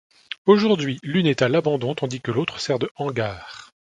Aujourd'hui l'une est à l'abandon tandis que l'autre sert de hangar.